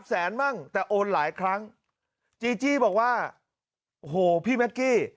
แสนมั่งแต่โอนหลายครั้งจีจี้บอกว่าโอ้โหพี่แม็กกี้